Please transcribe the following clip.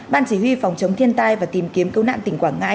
ban chỉ huy phòng chống thiên tai và tìm kiếm cứu nạn tỉnh quảng ngãi